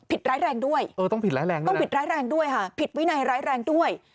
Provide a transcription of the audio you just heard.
ผิดร้ายแรงด้วยต้องผิดร้ายแรงด้วยผิดวินัยร้ายแรงด้วย